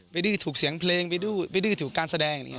ไปดื้อถูกเสียงเพลงไปดื้อถูกการแสดง